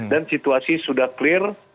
dan situasi sudah clear